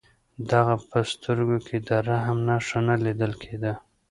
د هغه په سترګو کې د رحم نښه نه لیدل کېده